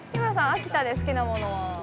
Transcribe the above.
秋田で好きなものは？